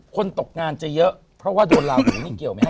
ตกงานจะเยอะเพราะว่าโดนลาหูนี่เกี่ยวไหมครับ